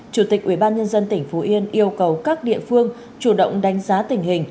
chủ tịch ubnd tỉnh phú yên yêu cầu các địa phương chủ động đánh giá tình hình